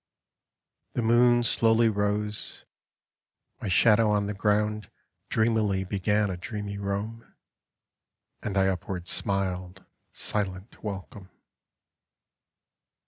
The moon Slowly rose : my shadow on the ground Dreamily began a dreamy roam. And 1 upward smiled silent welcome.